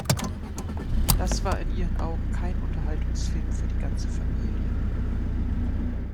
Das war in ihren Augen kein Unterhaltungsfilm für die ganze Familie.